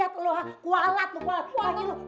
kualat lo kualat